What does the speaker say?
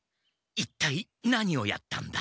一体何をやったんだ？